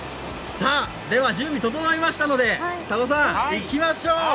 では準備整いましたので、多湖さんいきましょう。